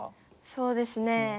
そうですね